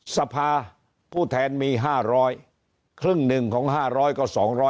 สภาผู้แทนมี๕๐๐ครึ่งหนึ่งของ๕๐๐ก็๒๐๐